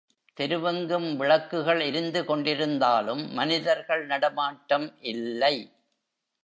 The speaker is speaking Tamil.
தெருவெங்கும் விளக்குகள் எரிந்து கொண்டிருந்தாலும், மனிதர்கள் நடமாட்டம் இல்லை.